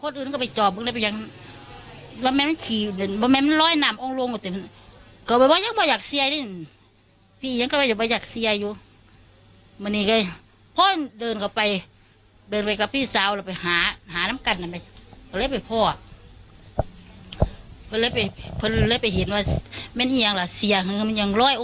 ที่แหละก็ประมาณอ้างไม่ใช่ของหน้าไงประมาณอ้างแม่เจ้า